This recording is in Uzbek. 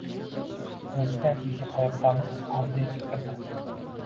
Prezident uyga poyabzalini tashqarida yechib kirdi